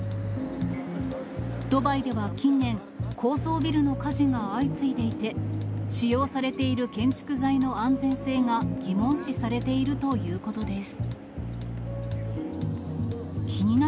ドバイでは近年、高層ビルの火事が相次いでいて、使用されている建築材の安全性が疑問視されているということです。